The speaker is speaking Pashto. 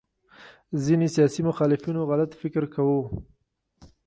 ځینې سیاسي مخالفینو غلط فکر کاوه